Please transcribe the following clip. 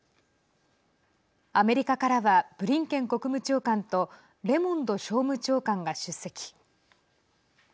アメリカからはブリンケン国務長官とレモンド商務長官が出席。